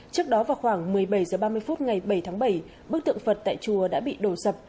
trước đó vào khoảng một mươi bảy h ba mươi phút ngày bảy tháng bảy bức tượng phật tại chùa đã bị đổ sập